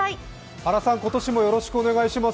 原さん、今年もよろしくお願いします。